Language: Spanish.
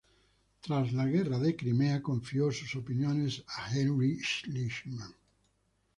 Tras la guerra de Crimea, confió sus opiniones a Heinrich Schliemann.